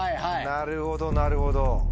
なるほどなるほど。